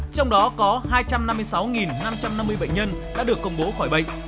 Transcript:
trong đó có hai trăm năm mươi sáu năm trăm năm mươi bệnh nhân đã được công bố khỏi bệnh